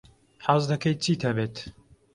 حەز دەکەیت چیت هەبێت؟